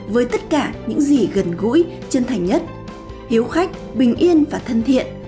với tất cả những gì gần gũi chân thành nhất hiếu khách bình yên và thân thiện